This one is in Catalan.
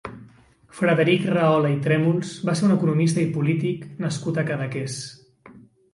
Frederic Rahola i Trèmols va ser un economista i polític nascut a Cadaqués.